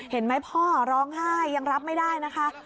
เห็นไหมพ่อร้องไห้ยังรับไม่ได้นะคะ